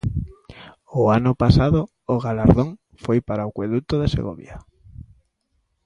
O ano pasado o galardón foi para o acueduto de Segovia.